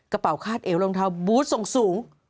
กระเป๋าคาดเอวรองเท้าบูธส่งสูง